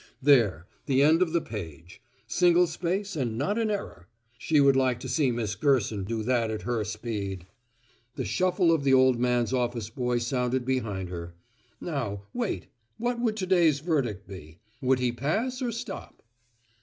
There, the end of the page. Single space and not an error. She would like to see Miss Gerson do that at her speed. The shuffle of the old man's office boy sounded behind her. Now, wait what would to day's verdict be? Would he pass or stop?